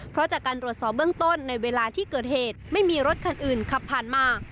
เพราะจากการตรวจสอบเบื้องต้นในเวลาที่เกิดเหตุไม่มีรถคันอื่นขับผ่านมา